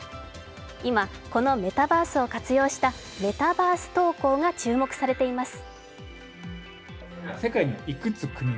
今、このメタバースを活用したメタバース登校が注目されています。